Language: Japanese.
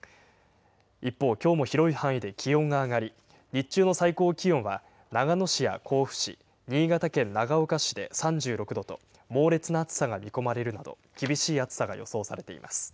一方、きょうも広い範囲で気温が上がり、日中の最高気温は長野市や甲府市、新潟県長岡市で３６度と、猛烈な暑さが見込まれるなど厳しい暑さが予想されています。